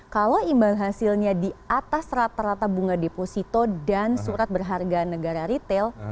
kalau imbal hasilnya di atas rata rata bunga deposito dan surat berharga negara retail